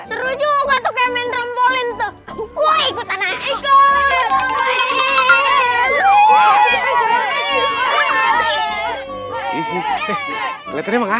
seru juga tuh kayak main trampolin